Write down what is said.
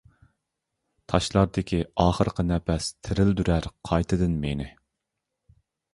تاشلاردىكى ئاخىرقى نەپەس تىرىلدۈرەر قايتىدىن مېنى.